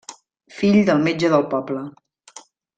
Fill del metge del poble.